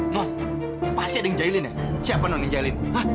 nol pasti ada yang jahilin ya siapa nol yang jahilin